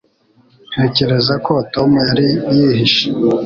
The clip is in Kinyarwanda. Ntekereza ko Tom yari yihishe